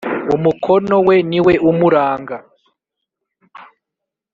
Umukono we niwe umuranga.